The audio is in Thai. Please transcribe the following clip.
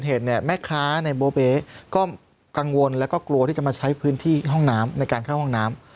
เห็นเนี่ยแม่ค้าในโบเบ๊ก็กังวลแล้วก็กลัวที่จะมาใช้พื้นที่ห้องน้ำในการเข้าห้องน้ำ